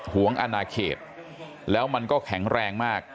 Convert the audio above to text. วงอนาเขตแล้วมันก็แข็งแรงมาก